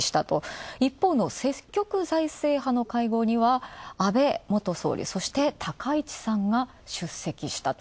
一方の積極財政派の会合には、安倍元総理そして、高市さんが出席したと。